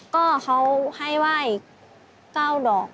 ก็เขาใภว่าอีก๙ดอก